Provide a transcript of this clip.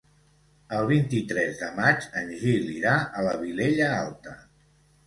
El vint-i-tres de maig en Gil irà a la Vilella Alta.